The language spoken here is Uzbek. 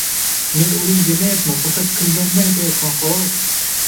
— Men uring demayapman, faqat qilganini aytayapman, xolos.